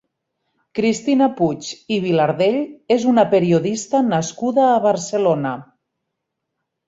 Cristina Puig i Vilardell és una periodista nascuda a Barcelona.